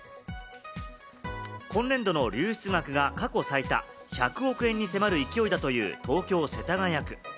今年度の流出額が過去最多、１００億円に迫るいきおいだという東京・世田谷区。